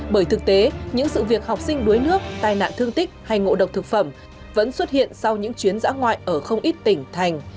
bởi thực tế những sự việc học sinh đuối nước tai nạn thương tích hay ngộ độc thực phẩm vẫn xuất hiện sau những chuyến dã ngoại ở không ít tỉnh thành